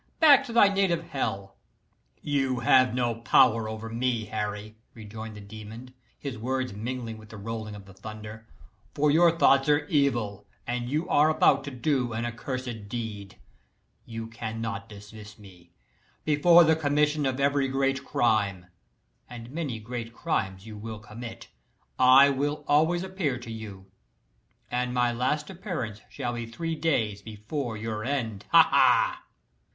Back to thy native hell!" "You have no power over me, Harry," rejoined the demon, his words mingling with the rolling of the thunder, "for your thoughts are evil, and you are about to do an accursed deed. You cannot dismiss me. Before the commission of every great crime and many great crimes you will commit I will always appear to you. And my last appearance shall he three days before your end ha! ha!"